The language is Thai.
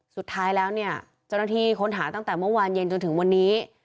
สุดท้ายแล้วเนี่ยเจ้าหน้าที่ค้นหาตั้งแต่เมื่อวานเย็นจนถึงวันนี้